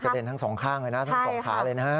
เด็นทั้งสองข้างเลยนะทั้งสองขาเลยนะฮะ